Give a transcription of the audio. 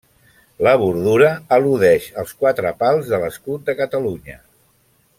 La bordura al·ludeix als quatre pals de l'escut de Catalunya.